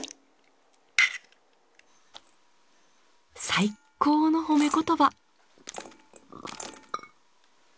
最高の褒め言葉。